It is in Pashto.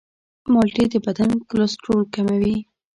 مالټې د بدن کلسترول کموي.